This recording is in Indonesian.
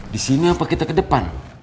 di sini apa kita ke depan